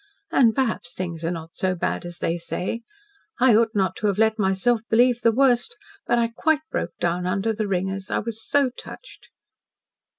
And perhaps things are not so bad as they say. I ought not to have let myself believe the worst. But I quite broke down under the ringers I was so touched."